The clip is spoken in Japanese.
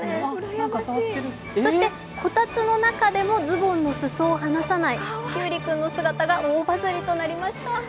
そして、こたつの中でもずぼんの裾を話さないきゅうりくんの姿が話題になりました。